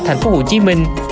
thành phố hồ chí minh